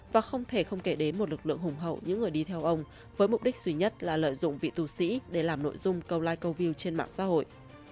và không thể không kể đến một lực lượng hùng hậu những người đi theo ông với mục đích duy nhất là lợi dụng vị tù sĩ để làm nội dung câu like câu view trên mạng xã hội